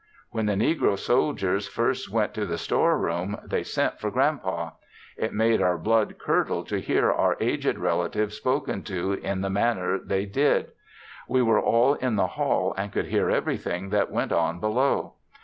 When the negro soldiers first went to the store room they sent for Grand Pa. It made our blood curdle to hear our aged relative spoken to in the manner they did. We were all in the hall and could hear everything that went on below.